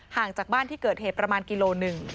ห่างจากบ้านที่เกิดเหตุประมาณกิโลหนึ่ง